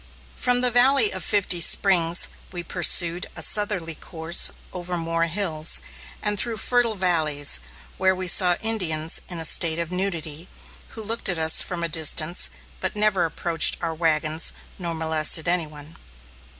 From the Valley of Fifty Springs, we pursued a southerly course over more hills, and through fertile valleys, where we saw Indians in a state of nudity, who looked at us from a distance, but never approached our wagons, nor molested any one.